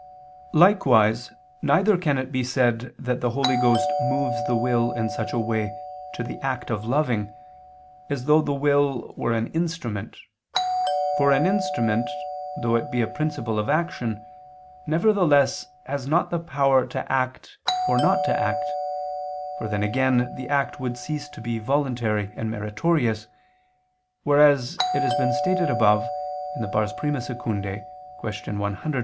Likewise, neither can it be said that the Holy Ghost moves the will in such a way to the act of loving, as though the will were an instrument, for an instrument, though it be a principle of action, nevertheless has not the power to act or not to act, for then again the act would cease to be voluntary and meritorious, whereas it has been stated above (I II, Q. 114, A.